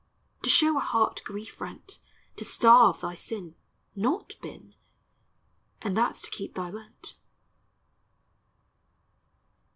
To show a heart grief rent; To starve thy sin, Not bin, And that's to keep thy Lent.